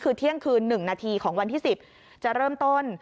คือเที่ยงคืน๑นาทีของวันที่๑๐จะเริ่มต้น